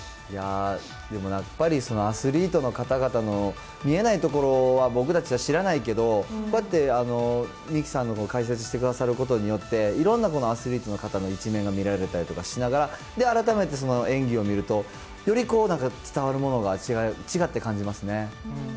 いやー、でもやっぱり、アスリートの方々の見えないところは僕たちは知らないけど、こうやって、美姫さんが解説してくださることによって、いろんなアスリートの方の一面が見られたりとかしながら、改めてその演技を見ると、よりなんか伝わるものが違って感じますね。